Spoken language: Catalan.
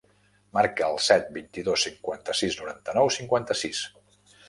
Marca el set, vint-i-dos, cinquanta-sis, noranta-nou, cinquanta-sis.